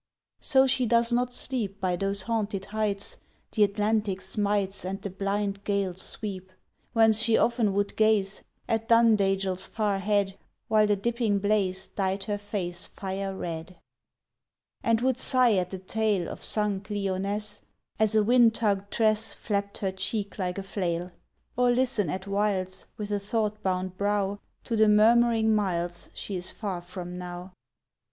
So she does not sleep By those haunted heights The Atlantic smites And the blind gales sweep, Whence she often would gaze At Dundagel's far head, While the dipping blaze Dyed her face fire red; And would sigh at the tale Of sunk Lyonnesse, As a wind tugged tress Flapped her cheek like a flail; Or listen at whiles With a thought bound brow To the murmuring miles She is far from now.